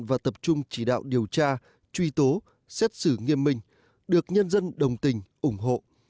và tập trung chỉ đạo điều tra truy tố xét xử nghiêm minh được nhân dân đồng tình ủng hộ